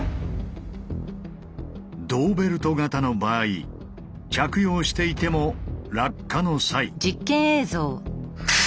胴ベルト型の場合着用していても落下の際。